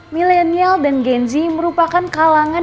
daniel dan genzy merupakan kalangan